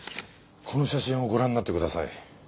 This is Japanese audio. この写真をご覧になってください。